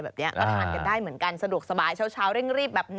ทานกันได้เหมือนกันสะดวกสบายเช้าเร่งรีบ